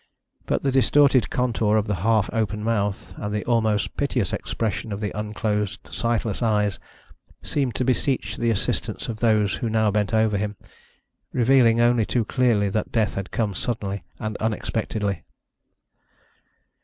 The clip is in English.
But the distorted contour of the half open mouth, and the almost piteous expression of the unclosed sightless eyes, seemed to beseech the assistance of those who now bent over him, revealing only too clearly that death had come suddenly and unexpectedly.